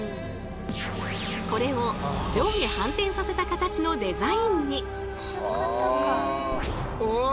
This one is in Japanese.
これを上下反転させた形のデザインに。